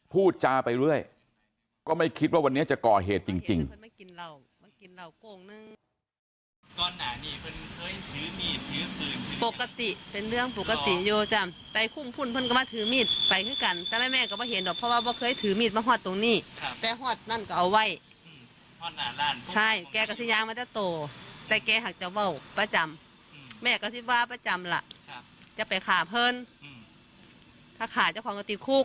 พูดจาไปเรื่อยก็ไม่คิดว่าวันนี้จะก่อเหตุจริง